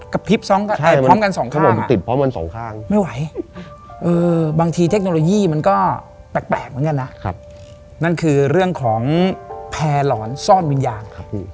กระพริบพร้อมกันสองข้างอะไม่ไหวบางทีเทคโนโลยีมันก็แปลกเหมือนกันนะนั่นคือเรื่องของแพร่หลอนซ่อนวิญญาณ